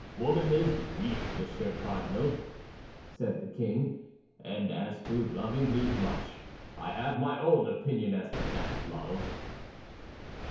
"Woman is weak, Monsieur Cardinal," said the king; "and as to loving me much, I have my own opinion as to that love."